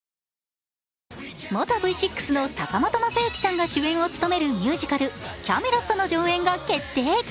元Ｖ６の坂本昌行さんが主演を務める「キャメロット」の上演が決定。